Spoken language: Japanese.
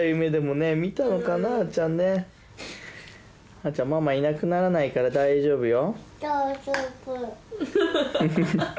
あるちゃんママいなくならないから大丈夫よ。